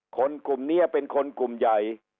กลุ่มนี้เป็นคนกลุ่มใหญ่